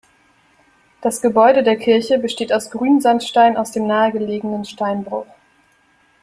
Das Gebäude der Kirche besteht aus Grünsandstein aus dem nahe gelegenen Steinbruch.